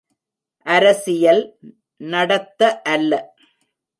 அரசியல் நடத்த அல்ல.